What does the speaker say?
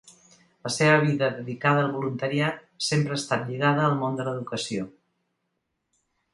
La seva vida dedicada al voluntariat sempre ha estat lligada al món de l'educació.